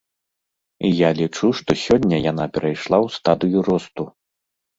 І я лічу, што сёння яна перайшла ў стадыю росту.